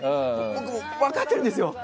僕も分かってるんですよ。